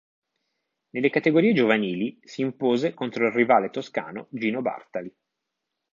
Nelle categorie giovanili si impose contro il rivale toscano Gino Bartali.